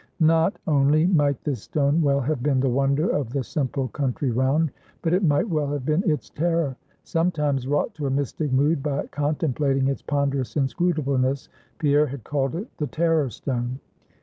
Not only might this stone well have been the wonder of the simple country round, but it might well have been its terror. Sometimes, wrought to a mystic mood by contemplating its ponderous inscrutableness, Pierre had called it the Terror Stone.